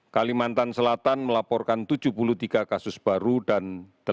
kalimantan selatan melaporkan tujuh puluh tiga kasus baru dan